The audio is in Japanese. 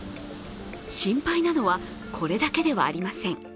心配なのはこれだけではありません。